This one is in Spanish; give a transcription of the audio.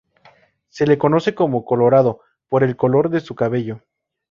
Se le conoce como "Colorado" por el color de su cabello.